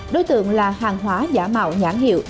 đối tượng là hàng hóa giả mạo nhãn hiệu